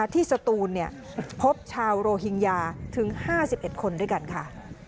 ที่สตูนพบชาวโรฮิงญาถึง๕๑คนด้วยกันค่ะ